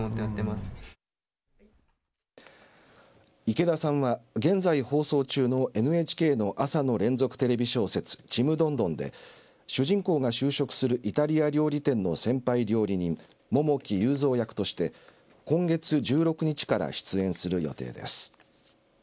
池田さんは現在放送中のＮＨＫの朝の連続テレビ小説ちむどんどんで主人公が就職するイタリア料理店の先輩料理人桃木雄三役として今月１６日から出演する予定です。